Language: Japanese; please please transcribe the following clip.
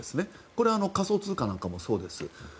これは仮想通貨なんかもそうです。